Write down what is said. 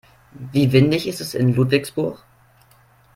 Wie windig ist es in Ludwigsburg?